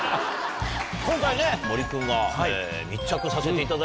今回ね森君が密着させていただいたと。